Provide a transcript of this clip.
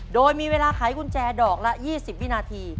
โดยมีเวลาไขกุญแจดอกละ๒๐วินาที